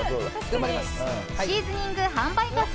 シーズニング販売個数